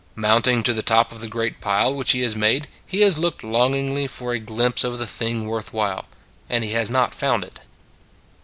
Mounting to the top of the great pile which he has made, he has looked longingly for a glimpse of the thing worth while; and he has not found it.